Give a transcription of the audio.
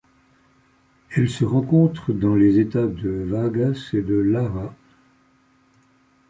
Elle se rencontre dans les États de Vargas et de Lara.